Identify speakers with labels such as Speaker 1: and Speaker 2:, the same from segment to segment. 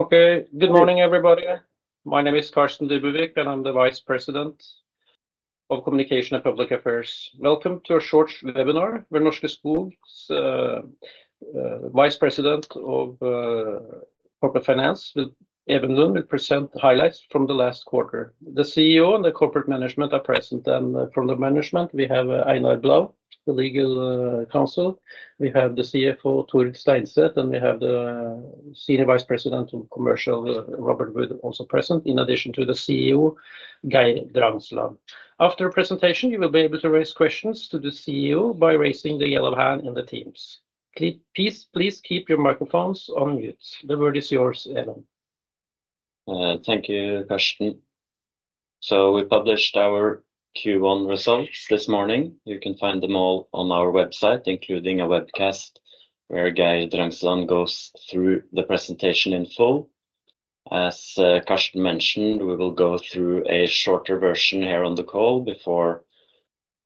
Speaker 1: Okay, good morning everybody. My name is Carsten Dybevig, and I'm the Vice President of Communication and Public Affairs. Welcome to a short webinar where Norske Skog's Vice President of Corporate Finance, Even Lund, will present highlights from the last quarter. The CEO and the corporate management are present, and from the management, we have Einar Blaauw, the legal counsel. We have the CFO, Tord Torvund, and we have the Senior Vice President of Commercial, Robert Wood, also present, in addition to the CEO, Geir Drangsland. After the presentation, you will be able to raise questions to the CEO by raising the yellow hand in the Teams. Keep please, please keep your microphones on mute. The word is yours, Even.
Speaker 2: Thank you, Carsten. So we published our Q1 results this morning. You can find them all on our website, including a webcast where Geir Drangsland goes through the presentation in full. As Carsten mentioned, we will go through a shorter version here on the call before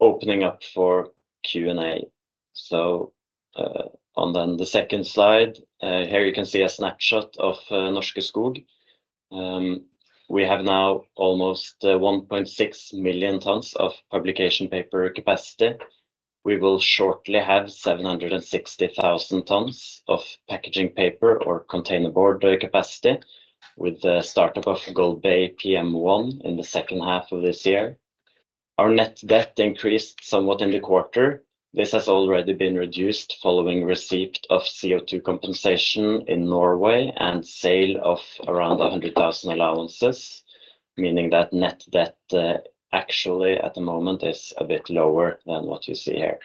Speaker 2: opening up for Q&A. So, then, on the second slide, here you can see a snapshot of Norske Skog. We have now almost 1.6 million tons of publication paper capacity. We will shortly have 760,000 tons of packaging paper or containerboard capacity with the startup of Golbey PM1 in the second half of this year. Our net debt increased somewhat in the quarter. This has already been reduced following receipt of CO2 compensation in Norway and sale of around 100,000 allowances, meaning that net debt, actually at the moment is a bit lower than what you see here.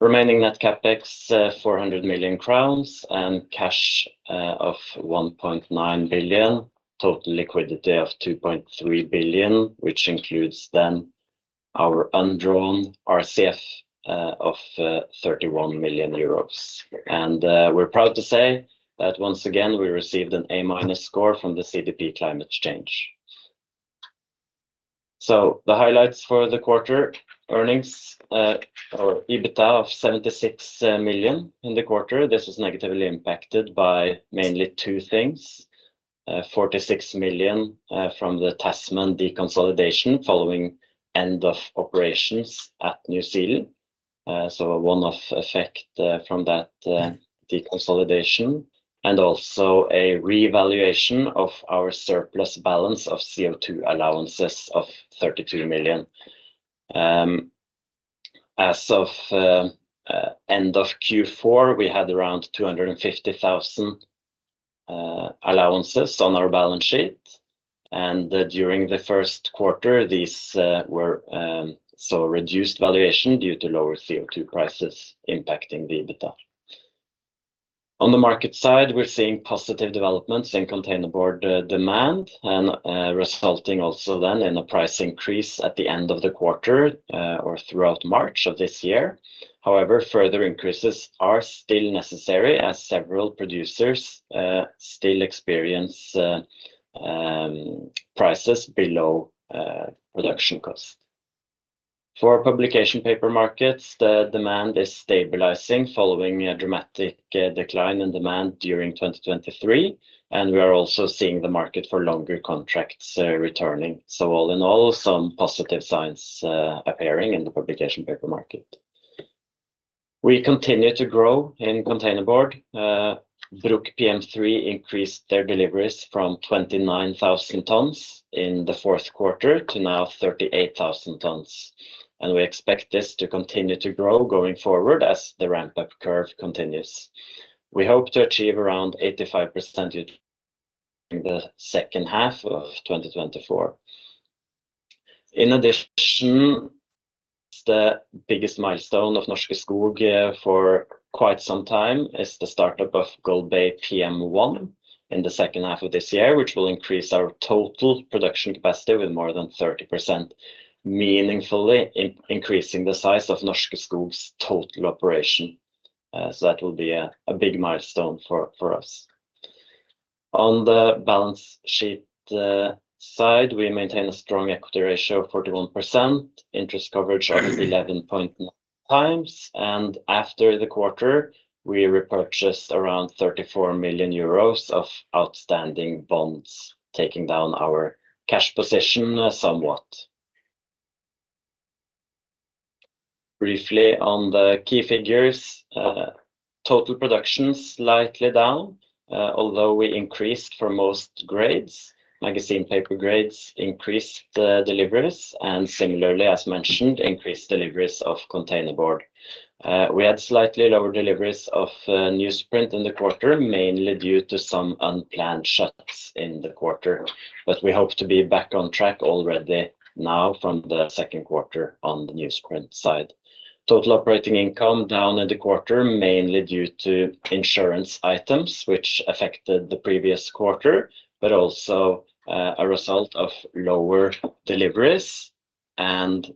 Speaker 2: Remaining net CapEx, 400 million crowns and cash of 1.9 billion, total liquidity of 2.3 billion, which includes then our undrawn RCF of 31 million euros. We're proud to say that once again we received an A- score from the CDP Climate Change. So the highlights for the quarter: earnings, or EBITDA of 76 million in the quarter. This was negatively impacted by mainly two things, 46 million from the Tasman deconsolidation following end of operations at New Zealand, so one-off effect from that deconsolidation, and also a revaluation of our surplus balance of CO2 allowances of 32 million. As of end of Q4, we had around 250,000 allowances on our balance sheet, and during the first quarter these were so reduced valuation due to lower CO2 prices impacting the EBITDA. On the market side, we're seeing positive developments in containerboard demand and resulting also then in a price increase at the end of the quarter, or throughout March of this year. However, further increases are still necessary as several producers still experience prices below production cost. For publication paper markets, the demand is stabilizing following a dramatic decline in demand during 2023, and we are also seeing the market for longer contracts returning. So all in all, some positive signs appearing in the publication paper market. We continue to grow in containerboard. Bruck PM3 increased their deliveries from 29,000 tons in the fourth quarter to now 38,000 tons, and we expect this to continue to grow going forward as the ramp-up curve continues. We hope to achieve around 85% during the second half of 2024. In addition, the biggest milestone of Norske Skog for quite some time is the startup of Golbey PM1 in the second half of this year, which will increase our total production capacity with more than 30%, meaningfully increasing the size of Norske Skog's total operation. So that will be a big milestone for us. On the balance sheet side, we maintain a strong equity ratio of 41%, interest coverage of 11.9 times, and after the quarter we repurchased around 34 million euros of outstanding bonds, taking down our cash position somewhat. Briefly on the key figures, total productions slightly down, although we increased for most grades. Magazine paper grades increased deliveries and similarly, as mentioned, increased deliveries of containerboard. We had slightly lower deliveries of newsprint in the quarter, mainly due to some unplanned shuts in the quarter, but we hope to be back on track already now from the second quarter on the newsprint side. Total operating income down in the quarter, mainly due to insurance items, which affected the previous quarter, but also a result of lower deliveries and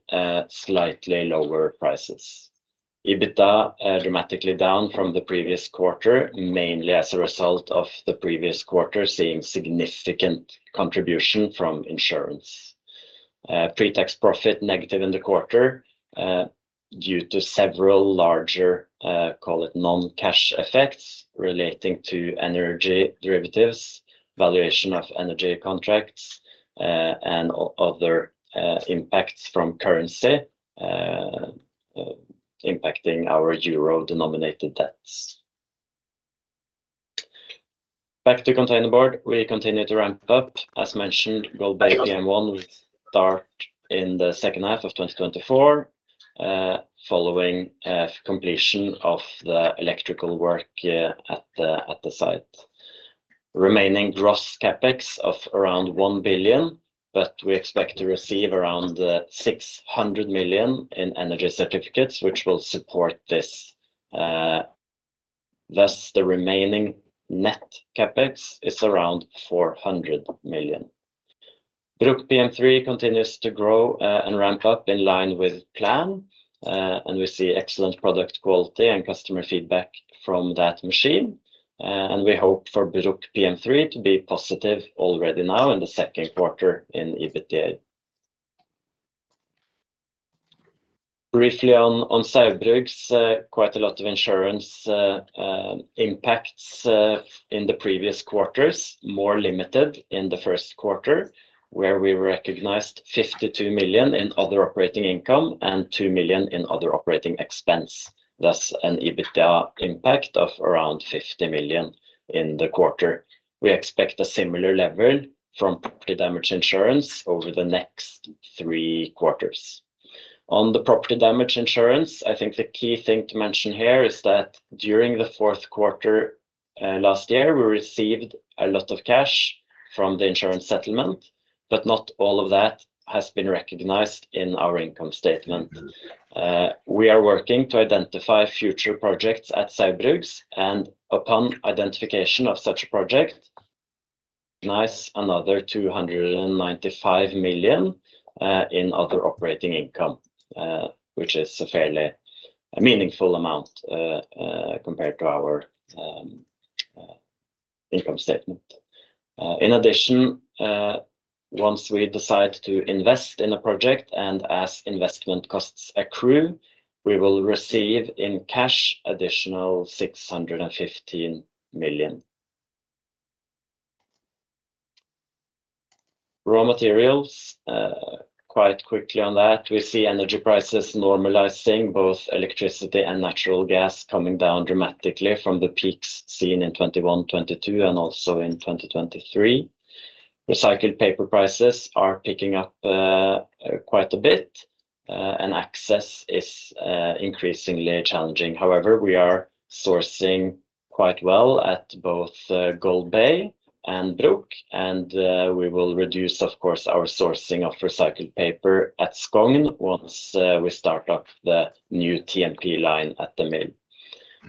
Speaker 2: slightly lower prices. EBITDA dramatically down from the previous quarter, mainly as a result of the previous quarter seeing significant contribution from insurance. Pretax profit negative in the quarter, due to several larger, call it non-cash effects relating to energy derivatives, valuation of energy contracts, and other impacts from currency, impacting our euro-denominated debts. Back to containerboard, we continue to ramp up. As mentioned, Golbey PM1 will start in the second half of 2024, following completion of the electrical work at the site. Remaining gross CapEx of around 1 billion, but we expect to receive around 600 million in energy certificates, which will support this. Thus, the remaining net CapEx is around 400 million. Bruck PM3 continues to grow and ramp up in line with plan, and we see excellent product quality and customer feedback from that machine, and we hope for Bruck PM3 to be positive already now in the second quarter in EBITDA. Briefly on Saugbrugs, quite a lot of insurance impacts in the previous quarters, more limited in the first quarter where we recognized 52 million in other operating income and 2 million in other operating expense, thus an EBITDA impact of around 50 million in the quarter. We expect a similar level from property damage insurance over the next three quarters. On the property damage insurance, I think the key thing to mention here is that during the fourth quarter, last year we received a lot of cash from the insurance settlement, but not all of that has been recognized in our income statement. We are working to identify future projects at Saugbrugs, and upon identification of such a project, recognize another 295 million in other operating income, which is a fairly meaningful amount, compared to our income statement. In addition, once we decide to invest in a project and as investment costs accrue, we will receive in cash additional 615 million. Raw materials, quite quickly on that, we see energy prices normalizing, both electricity and natural gas coming down dramatically from the peaks seen in 2021, 2022, and also in 2023. Recycled paper prices are picking up, quite a bit, and access is increasingly challenging. However, we are sourcing quite well at both Golbey and Bruck, and we will reduce, of course, our sourcing of recycled paper at Skogn once we start up the new TMP line at the mill.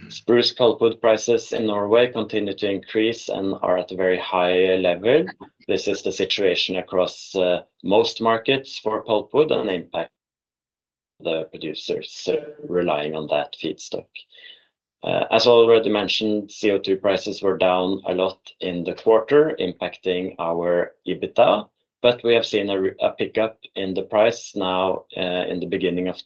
Speaker 2: Spruce pulpwood prices in Norway continue to increase and are at a very high level. This is the situation across most markets for pulpwood and impacts the producers relying on that feedstock. As already mentioned, CO2 prices were down a lot in the quarter, impacting our EBITDA, but we have seen a pickup in the price now, in the beginning of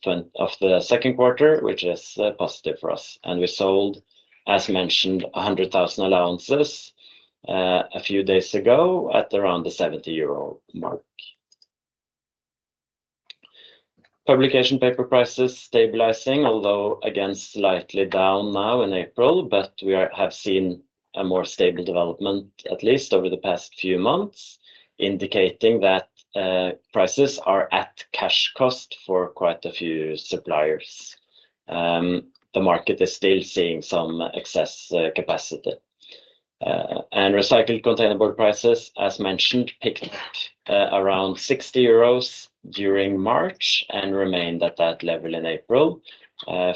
Speaker 2: the second quarter, which is positive for us. And we sold, as mentioned, 100,000 allowances a few days ago at around the 70 euro mark. Publication paper prices stabilizing, although again slightly down now in April, but we have seen a more stable development, at least over the past few months, indicating that prices are at cash cost for quite a few suppliers. The market is still seeing some excess capacity. Recycled containerboard prices, as mentioned, picked up around 60 euros during March and remained at that level in April.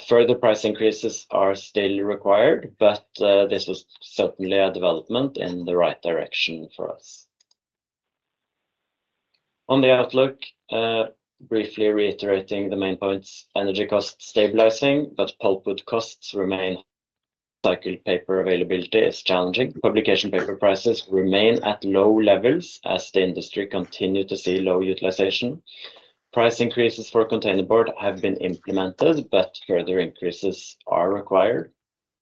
Speaker 2: Further price increases are still required, but this was certainly a development in the right direction for us. On the outlook, briefly reiterating the main points: energy costs stabilizing, but pulpwood costs remain. Recycled paper availability is challenging. Publication paper prices remain at low levels as the industry continues to see low utilization. Price increases for containerboard have been implemented, but further increases are required.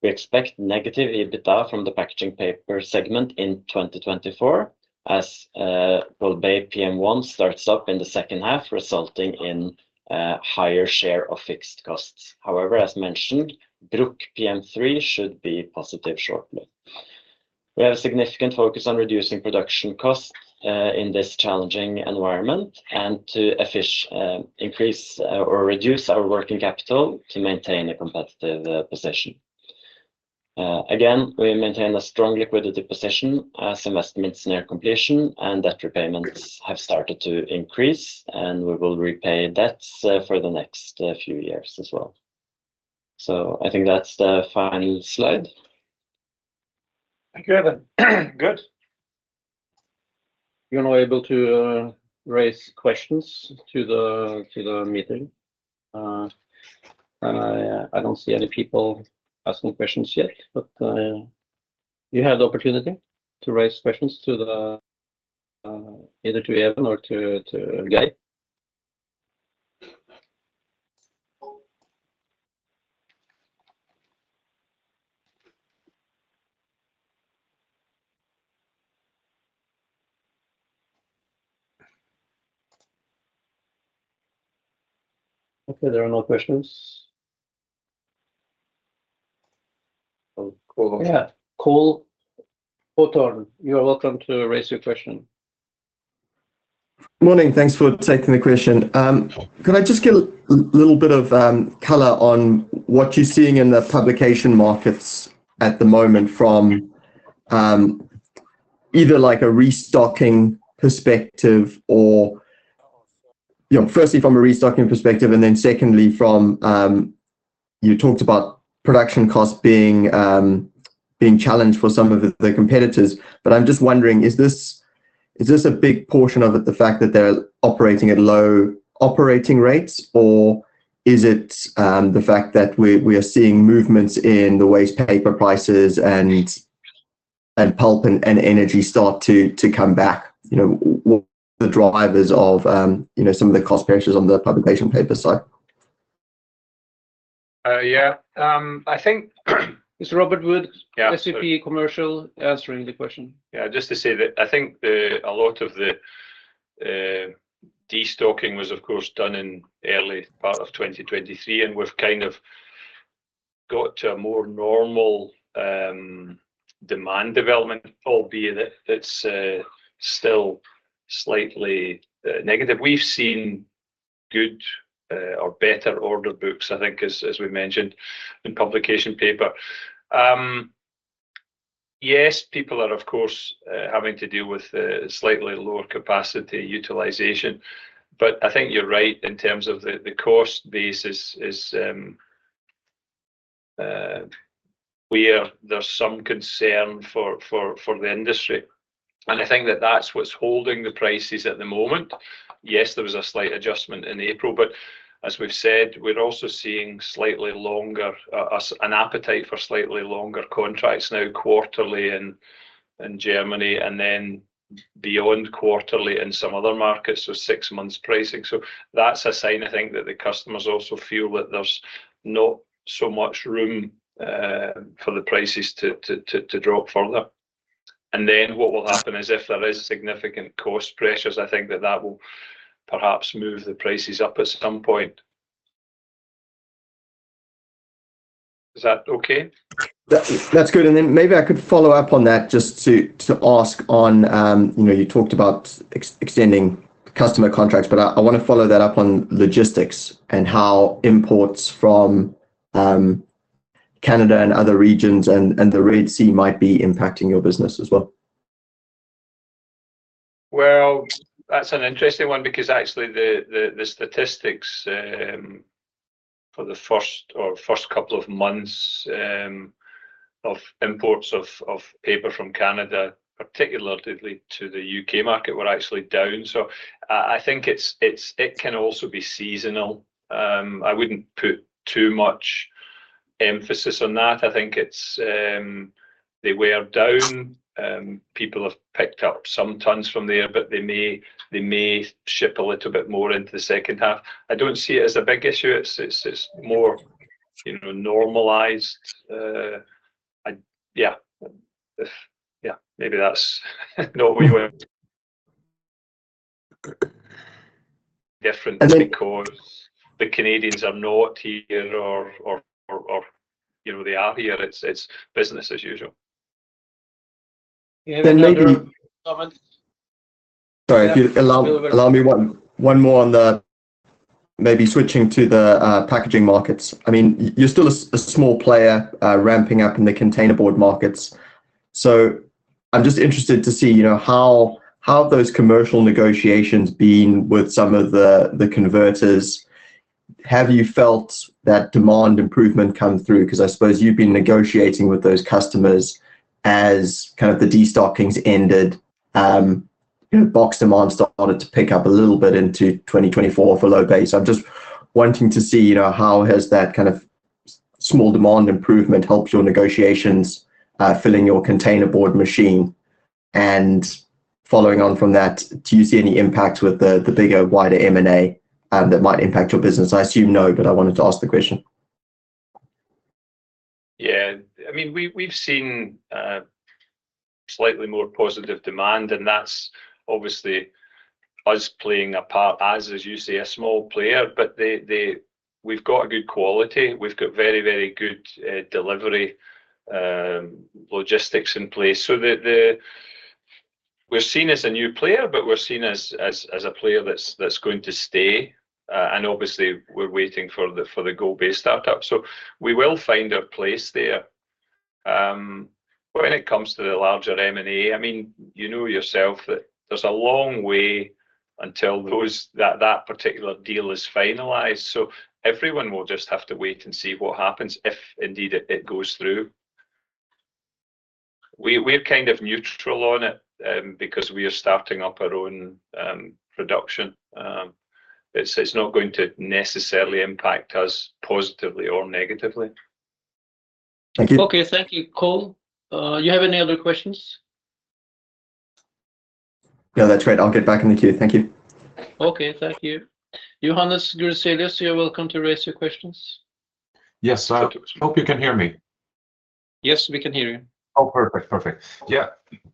Speaker 2: We expect negative EBITDA from the packaging paper segment in 2024 as Golbey PM1 starts up in the second half, resulting in higher share of fixed costs. However, as mentioned, Bruck PM3 should be positive shortly. We have a significant focus on reducing production costs in this challenging environment and to efficiently increase or reduce our working capital to maintain a competitive position. Again, we maintain a strong liquidity position as investments near completion and debt repayments have started to increase, and we will repay debts for the next few years as well. So I think that's the final slide.
Speaker 1: Thank you, Even. Good. You're now able to raise questions to the meeting. And I don't see any people asking questions yet, but you have the opportunity to raise questions to either Even or to Geir. Okay, there are no questions. I'll call. Yeah, Cole Hathorn. You're welcome to raise your question.
Speaker 3: Morning. Thanks for taking the question. Could I just get a little bit of color on what you're seeing in the publication markets at the moment from, either like a restocking perspective or, you know, firstly from a restocking perspective and then secondly from, you talked about production costs being challenged for some of the competitors, but I'm just wondering, is this a big portion of it, the fact that they're operating at low operating rates or is it the fact that we are seeing movements in the waste paper prices and pulp and energy start to come back? You know, what are the drivers of some of the cost pressures on the publication paper side?
Speaker 2: Yeah. I think Mr. Robert Wood, SVP Commercial, answering the question.
Speaker 4: Yeah, just to say that I think a lot of the destocking was, of course, done in the early part of 2023 and we've kind of got to a more normal demand development, albeit it's still slightly negative. We've seen good, or better, order books, I think, as, as we mentioned, in publication paper. Yes, people are, of course, having to deal with slightly lower capacity utilization, but I think you're right in terms of the, the cost base is, is, where there's some concern for, for, for the industry. And I think that that's what's holding the prices at the moment. Yes, there was a slight adjustment in April, but as we've said, we're also seeing slightly longer, an appetite for slightly longer contracts now quarterly in, in Germany and then beyond quarterly in some other markets with six months pricing. So that's a sign, I think, that the customers also feel that there's not so much room for the prices to drop further. And then what will happen is if there is significant cost pressures, I think that that will perhaps move the prices up at some point. Is that okay?
Speaker 3: That's good. And then maybe I could follow up on that just to ask on, you know, you talked about extending customer contracts, but I want to follow that up on logistics and how imports from Canada and other regions and the Red Sea might be impacting your business as well.
Speaker 4: Well, that's an interesting one because actually the statistics for the first couple of months of imports of paper from Canada, particularly to the UK market, were actually down. So I think it's, it can also be seasonal. I wouldn't put too much emphasis on that. I think it's, they were down. People have picked up some tons from there, but they may ship a little bit more into the second half. I don't see it as a big issue. It's more, you know, normalized. Yeah, if, yeah, maybe that's not what you want. Different because the Canadians are not here or, you know, they are here. It's business as usual.
Speaker 3: Yeah, then maybe. Sorry, if you allow me, one more on the, maybe switching to the packaging markets. I mean, you're still a small player, ramping up in the containerboard markets. So I'm just interested to see, you know, how have those commercial negotiations been with some of the converters? Have you felt that demand improvement come through? Because I suppose you've been negotiating with those customers as kind of the destockings ended, you know, box demand started to pick up a little bit into 2024 for Golbey. So I'm just wanting to see, you know, how has that kind of small demand improvement helped your negotiations, filling your containerboard machine? And following on from that, do you see any impacts with the, the bigger, wider M&A, that might impact your business? I assume no, but I wanted to ask the question.
Speaker 4: Yeah. I mean, we've seen slightly more positive demand, and that's obviously us playing a part as, as you say, a small player, but they, we've got a good quality. We've got very, very good delivery logistics in place. So, we're seen as a new player, but we're seen as a player that's going to stay. And obviously, we're waiting for the Golbey startup. So we will find our place there. But when it comes to the larger M&A, I mean, you know yourself that there's a long way until that particular deal is finalized. So everyone will just have to wait and see what happens if indeed it goes through. We're kind of neutral on it, because we are starting up our own production. It's not going to necessarily impact us positively or negatively.
Speaker 3: Thank you.
Speaker 1: Okay, thank you, Cole. You have any other questions?
Speaker 3: No, that's right. I'll get back in the queue. Thank you.
Speaker 1: Okay, thank you. Johannes Grunselius, you're welcome to raise your questions.
Speaker 5: Yes, I hope you can hear me.
Speaker 1: Yes, we can hear you.
Speaker 5: Oh, perfect, perfect. Yeah.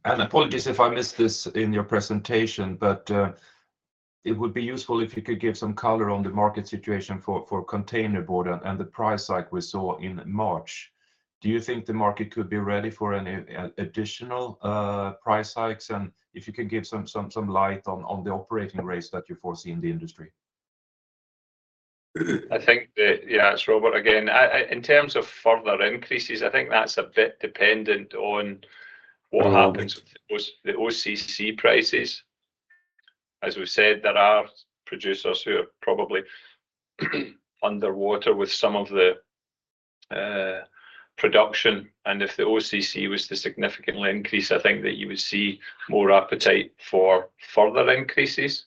Speaker 5: And apologies if I missed this in your presentation, but it would be useful if you could give some color on the market situation for containerboard and the price hike we saw in March. Do you think the market could be ready for any additional price hikes? And if you can give some, some, some light on the operating rates that you foresee in the industry.
Speaker 4: I think that, yeah, it's Robert again. I, I in terms of further increases, I think that's a bit dependent on what happens with the OCC prices. As we've said, there are producers who are probably underwater with some of the production. And if the OCC was to significantly increase, I think that you would see more appetite for further increases.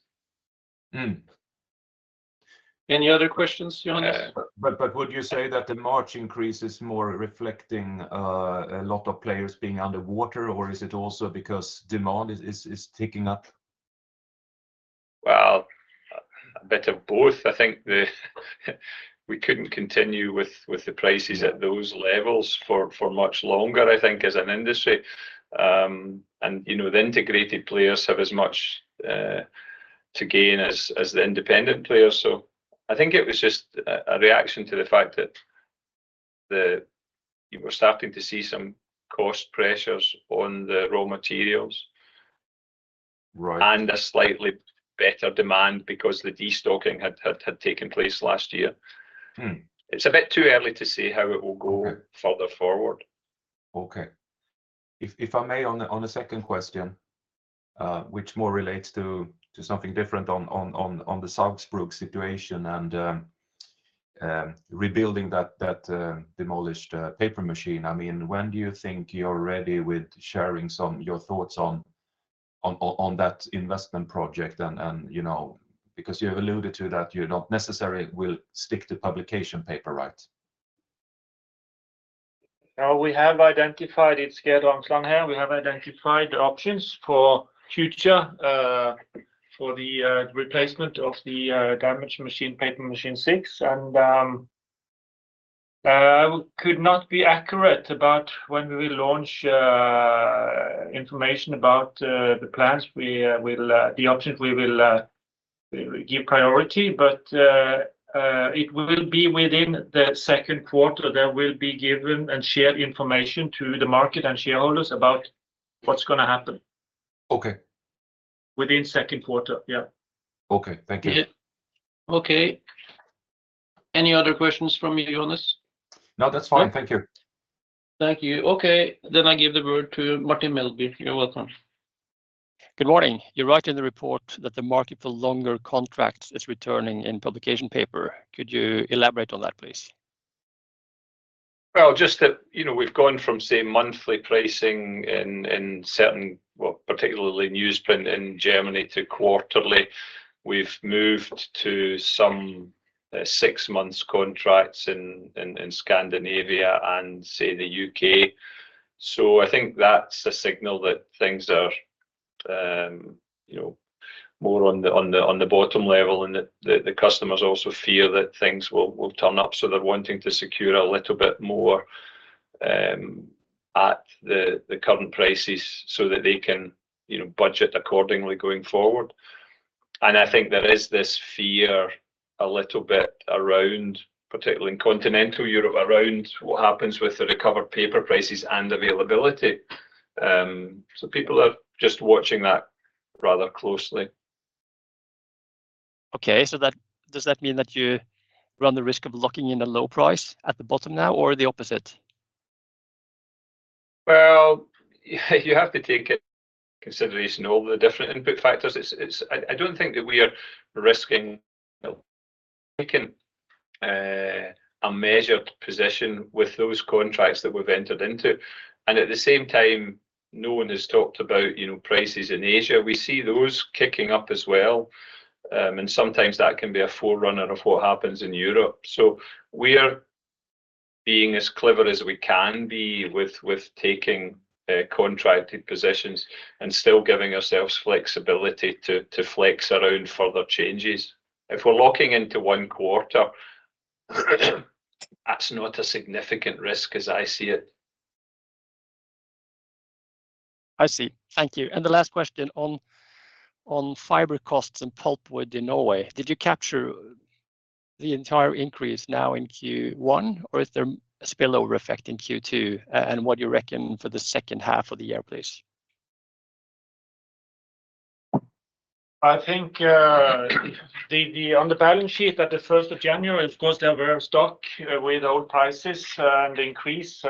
Speaker 1: Any other questions, Johannes?
Speaker 5: But would you say that the March increase is more reflecting a lot of players being underwater, or is it also because demand is ticking up?
Speaker 4: Well, a bit of both. I think we couldn't continue with the prices at those levels for much longer, I think, as an industry. And you know, the integrated players have as much to gain as the independent players. So I think it was just a reaction to the fact that you were starting to see some cost pressures on the raw materials.
Speaker 5: Right.
Speaker 4: And a slightly better demand because the destocking had taken place last year. It's a bit too early to see how it will go further forward.
Speaker 5: Okay. If I may, on the second question, which more relates to something different on the Saugbrugs situation and rebuilding that demolished paper machine, I mean, when do you think you're ready with sharing some of your thoughts on that investment project and, you know, because you have alluded to that you don't necessarily will stick to publication paper, right?
Speaker 6: It's Geir Drangsland here. We have identified the options for the future for the replacement of the damaged machine, Paper Machine 6. And I could not be accurate about when we will launch information about the plans we will, the options we will give priority, but it will be within the second quarter. There will be given and shared information to the market and shareholders about what's going to happen.
Speaker 5: Okay.
Speaker 6: Within second quarter. Yeah.
Speaker 5: Okay. Thank you.
Speaker 1: Okay. Any other questions from you, Johannes?
Speaker 5: No, that's fine. Thank you.
Speaker 1: Thank you. Okay. Then I give the word to Martin Melbye. You're welcome.
Speaker 7: Good morning. You write in the report that the market for longer contracts is returning in publication paper. Could you elaborate on that, please?
Speaker 4: Well, just that, you know, we've gone from, say, monthly pricing in, in certain, well, particularly newsprint in Germany to quarterly. We've moved to some, six-months contracts in, in, in Scandinavia and, say, the UK. So I think that's a signal that things are, you know, more on the, on the, on the bottom level and that the, the customers also fear that things will, will turn up. So they're wanting to secure a little bit more, at the, the current prices so that they can, you know, budget accordingly going forward. And I think there is this fear a little bit around, particularly in Continental Europe, around what happens with the recovered paper prices and availability. So people are just watching that rather closely.
Speaker 7: Okay. So that does that mean that you run the risk of locking in a low price at the bottom now, or the opposite?
Speaker 4: Well, you have to take it into consideration all the different input factors. It's, I don't think that we are risking taking a measured position with those contracts that we've entered into. And at the same time, no one has talked about, you know, prices in Asia. We see those kicking up as well. And sometimes that can be a forerunner of what happens in Europe. So we are being as clever as we can be with taking contracted positions and still giving ourselves flexibility to flex around further changes. If we're locking into one quarter, that's not a significant risk as I see it.
Speaker 7: I see. Thank you. And the last question on, on fiber costs and pulpwood in Norway. Did you capture the entire increase now in Q1, or is there a spillover effect in Q2 and what you reckon for the second half of the year, please?
Speaker 6: I think, the, the on the balance sheet at the 1st of January, of course, there were stock with old prices and increase,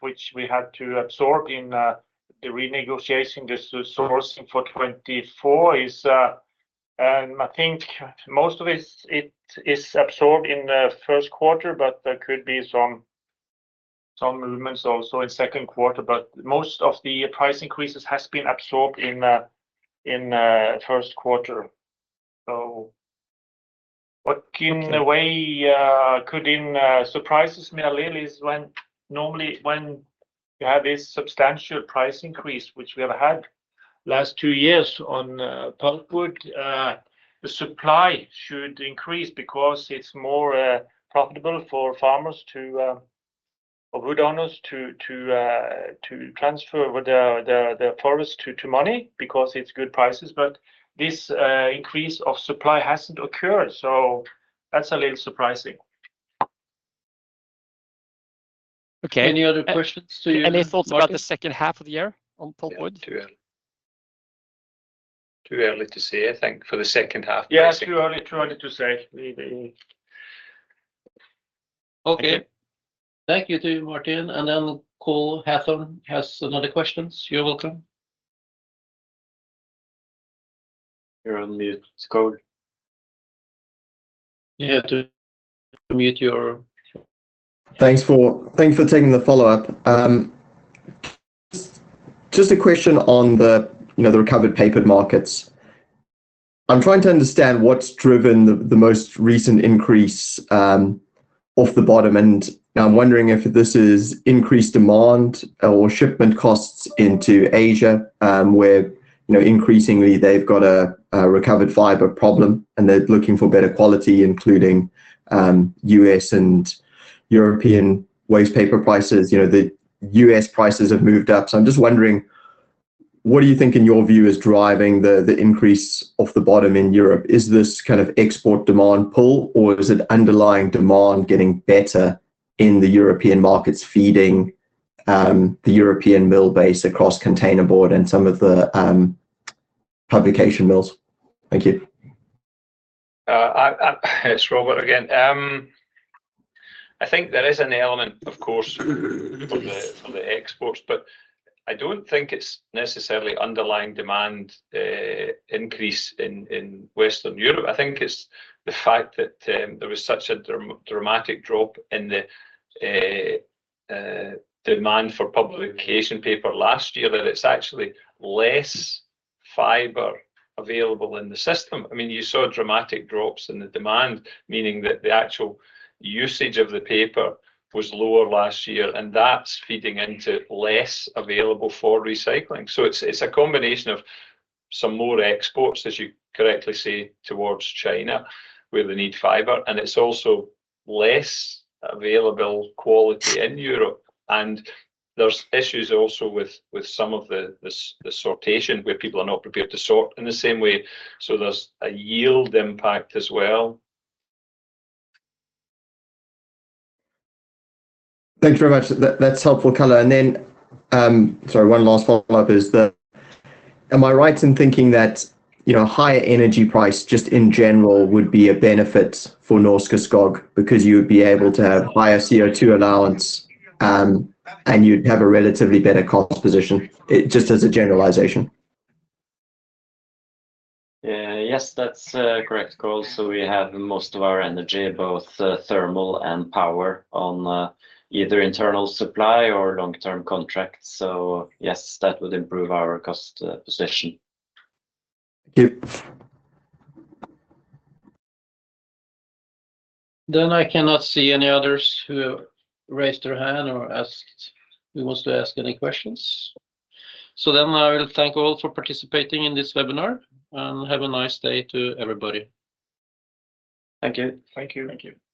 Speaker 6: which we had to absorb in, the renegotiating the sourcing for 2024 is. And I think most of it, it is absorbed in the first quarter, but there could be some, some movements also in second quarter. But most of the price increases has been absorbed in, in, first quarter. So what, in a way, kind of surprises me a little is when normally when you have this substantial price increase, which we have had last two years on pulpwood, the supply should increase because it's more profitable for farmers or wood owners to transfertheir forest to money because it's good prices. But this increase of supply hasn't occurred. So that's a little surprising.
Speaker 7: Okay.
Speaker 1: Any other questions to you?
Speaker 7: Any thoughts about the second half of the year on pulp wood? Too early. Too early to say, I think, for the second half pricing.
Speaker 2: Yeah, too early, too early to say.
Speaker 1: Okay. Thank you to you, Martin. And then Cole Hathorn has another question. You're welcome. You're on mute, Cole. You have to unmute your.
Speaker 3: Thanks for taking the follow-up. Just, just a question on the, you know, the recovered paper markets. I'm trying to understand what's driven the, the most recent increase off the bottom. And now I'm wondering if this is increased demand or shipment costs into Asia, where, you know, increasingly they've got a, a recovered fiber problem and they're looking for better quality, including U.S. and European waste paper prices. You know, the U.S. prices have moved up. So I'm just wondering, what do you think in your view is driving the, the increase off the bottom in Europe? Is this kind of export demand pull, or is it underlying demand getting better in the European markets feeding the European mill base across containerboard and some of the publication mills?
Speaker 4: Thank you. I, I, it's Robert again. I think there is an element, of course, of the exports, but I don't think it's necessarily underlying demand increase in Western Europe. I think it's the fact that there was such a dramatic drop in the demand for publication paper last year that it's actually less fiber available in the system. I mean, you saw dramatic drops in the demand, meaning that the actual usage of the paper was lower last year, and that's feeding into less available for recycling. So it's a combination of some more exports, as you correctly say, towards China where they need fiber, and it's also less available quality in Europe. And there's issues also with some of the sortation where people are not prepared to sort in the same way. So there's a yield impact as well.
Speaker 3: Thanks very much. That's helpful color. And then, sorry, one last follow-up is the, am I right in thinking that, you know, a higher energy price just in general would be a benefit for Norske Skog because you would be able to have higher CO2 allowance, and you'd have a relatively better cost position? It just as a generalization.
Speaker 2: Yes, that's correct, Cole. So we have most of our energy, both thermal and power, on either internal supply or long-term contracts. So yes, that would improve our cost position.
Speaker 3: Thank you.
Speaker 1: Then I cannot see any others who have raised their hand or asked, who wants to ask any questions. So then I will thank all for participating in this webinar and have a nice day to everybody. Thank you. Thank you. Thank you.